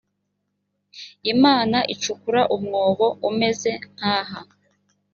imana icukura umwobo umeze nkaha